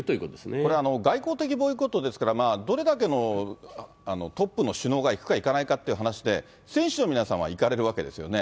これ、外交的ボイコットですから、どれだけのトップの首脳が行くか行かないかという話で、選手の皆さんは行かれるわけですよね。